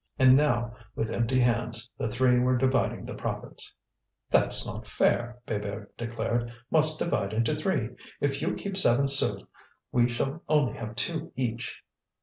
And now, with empty hands, the three were dividing the profits. "That's not fair!" Bébert declared. "Must divide into three. If you keep seven sous we shall only have two each."